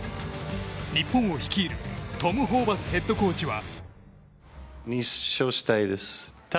日本を率いるトム・ホーバスヘッドコーチは。